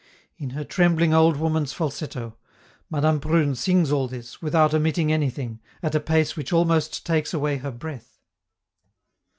In her trembling old woman's falsetto, Madame Prune sings all this, without omitting anything, at a pace which almost takes away her breath.